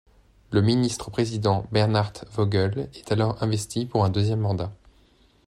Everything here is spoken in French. Le ministre-président Bernhard Vogel est alors investi pour un deuxième mandat.